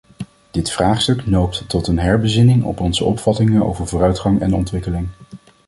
Dit vraagstuk noopt tot een herbezinning op onze opvattingen over vooruitgang en ontwikkeling.